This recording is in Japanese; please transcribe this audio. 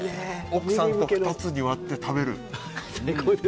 奥さんと２つに割って食べる。